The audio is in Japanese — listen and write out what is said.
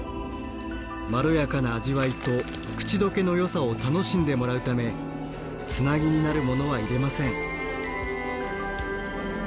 まろやかな味わいと口溶けのよさを楽しんでもらうためつなぎになるものは入れません。